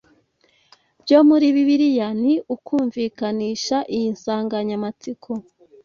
byo muri Bibiliya ni ukumvikanisha iyi nsanganyamatsiko